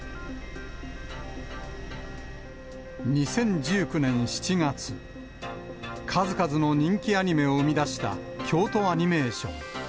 ２０１９年７月、数々の人気アニメを生み出した京都アニメーション。